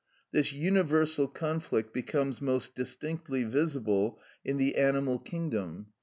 This universal conflict becomes most distinctly visible in the animal kingdom.